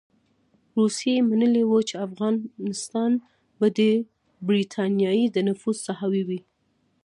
روسيې منلې وه چې افغانستان به د برټانیې د نفوذ ساحه وي.